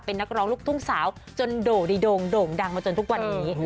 เป็นนักร้องลูกทุ่งสาวจนโด่งดีโด่งโด่งดังมาจนทุกวันนี้